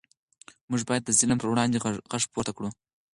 موږ باید د ظلم پر وړاندې غږ پورته کړو.